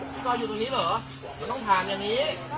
ไม่รู้มันต้องถามเส้าผลที่